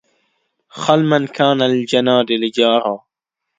خل من كان للجنادل جارا